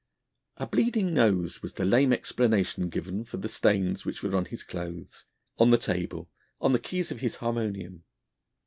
A bleeding nose was the lame explanation given for the stains which were on his clothes, on the table, on the keys of his harmonium.